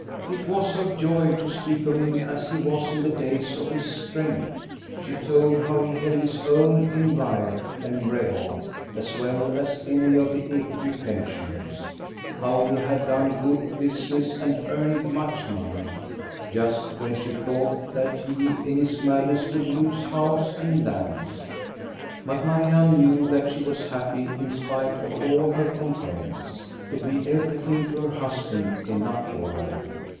It was her joy to speak of him as he was in the days of his strength. She told how he held his own in riot and revel as well as any of the Ekeby pensioners, how he had done good business and earned much money, just when she thought that he in his madness would lose house and lands. But Marianne knew that she was happy in spite of all her complaints. To be everything to her husband enough for her.